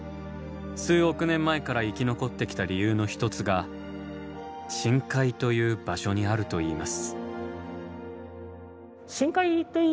数億年前から生き残ってきた理由の一つが深海という場所にあるといいます。